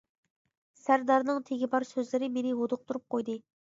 سەردارنىڭ تېگى بار سۆزلىرى مېنى ھودۇقتۇرۇپ قويدى.